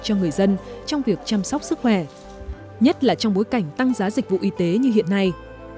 cho người dân trong việc chăm sóc sức khỏe nhất là trong bối cảnh tăng giá dịch vụ y tế như hiện nay